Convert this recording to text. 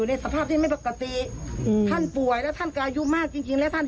ท่านอายุมากแล้วท่านต้องอยากให้พระแจ๊ะเอาให้